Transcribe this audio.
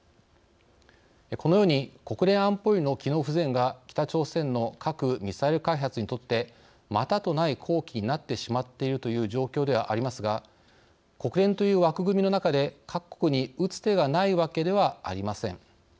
このように国連安保理の機能不全が北朝鮮の核・ミサイル開発にとってまたとない好機になってしまっているという状況ではありますが国連という枠組みの中で各国に打つ手がないわけではありません。